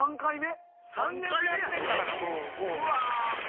３年もやってんだからもう。